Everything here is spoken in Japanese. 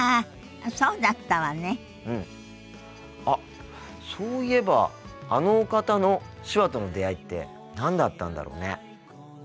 あっそういえばあのお方の手話との出会いって何だったんだろうね。